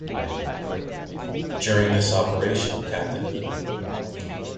During this operation Cpt.